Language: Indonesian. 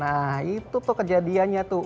nah itu tuh kejadiannya tuh